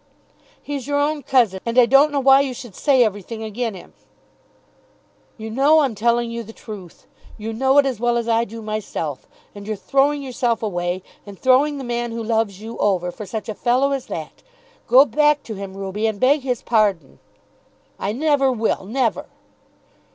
"He's your own cousin, and I don't know why you should say everything again him." "You know I'm telling you the truth. You know it as well as I do myself; and you're throwing yourself away, and throwing the man who loves you over, for such a fellow as that! Go back to him, Ruby, and beg his pardon." "I never will; never."